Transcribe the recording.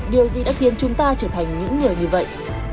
điều gì đã khiến chúng ta trở thành những người như vậy